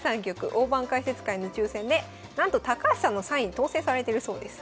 大盤解説会の抽選でなんと高橋さんのサイン当選されてるそうです。